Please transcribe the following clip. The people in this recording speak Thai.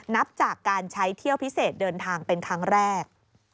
นับจากการใช้เที่ยวพิเศษเดินทางเป็นครั้งแรก